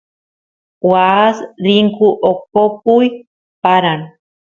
waas rinku oqoquy paran